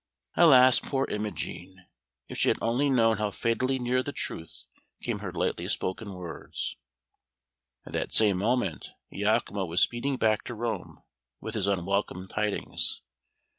Alas, poor Imogen, if she had only known how fatally near the truth came her lightly spoken words! At that same moment Iachimo was speeding back to Rome with his unwelcome tidings.